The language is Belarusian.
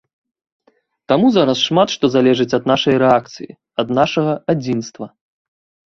Таму зараз шмат што залежыць ад нашай рэакцыі, ад нашага адзінства.